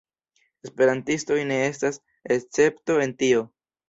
Esperantistoj ne estas escepto en tio.